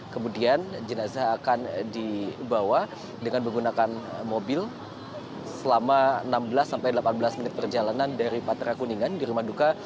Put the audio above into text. kemudian jenazah akan dibawa dengan menggunakan mobil selama enam belas sampai delapan belas menit perjalanan dari patra kuningan di rumah duka